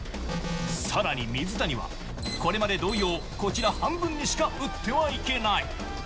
更に水谷は、これまで同様、こちら半分にしか打ってはいけない。